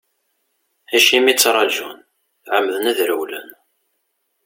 Acimi ttarǧun, ɛemmden ad rewlen.